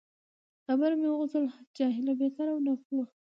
خبره مې وغځول: جاهله، بیکاره او ناپوه.